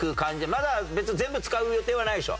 まだ別に全部使う予定はないでしょ？